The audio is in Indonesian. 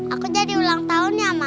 aku jadi ulang tahun ya ma